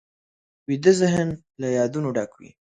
ویده ذهن له یادونو ډک وي